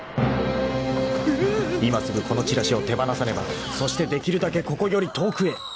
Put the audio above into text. ［今すぐこのチラシを手放さねばそしてできるだけここより遠くへ］